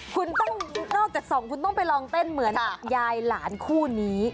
คุณต้องนอกจากสองคุณต้องไปลองเต้นเหมือนกับยายหลานคู่นี้